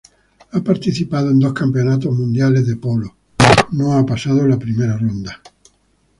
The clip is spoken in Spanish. Ha participado en dos Campeonato Mundial de Polo, no ha pasado la primera ronda.